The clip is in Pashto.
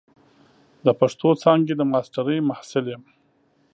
د پښتو څانګې د ماسترۍ محصل یم.